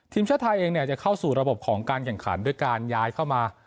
ทีมชาติไทยเองจะเข้าสู่ระบบของการแข่งขันด้วยการย้ายเข้ามา